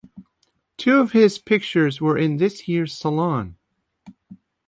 Two of his pictures were in this year's Salon.